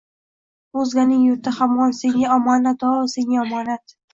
Oʼzganing yurti ham senga omonat-o, senga omonat…